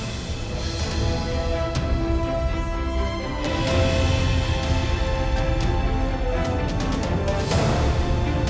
harus kau pertanyakan kembali